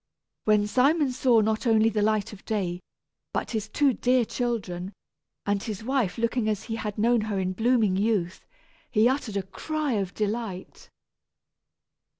When Simon saw not only the light of day, but his two dear children, and his wife looking as he had known her in her blooming youth, he uttered a cry of delight.